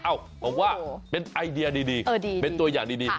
บอกว่าเป็นไอเดียดีเป็นตัวอย่างดี